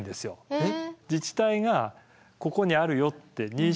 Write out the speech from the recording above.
えっ！？